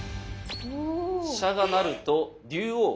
飛車が成ると龍王。